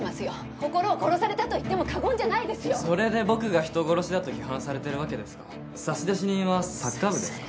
心を殺されたといってもそれで僕が人殺しだと批判されてるわけですか差出人はサッカー部ですか？